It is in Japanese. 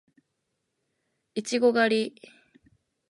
いちご狩り